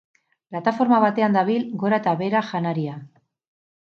Plataforma batean dabil gora eta behera janaria.